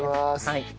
はい。